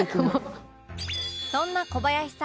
そんな小林さん